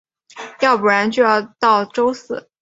要不然就要到周四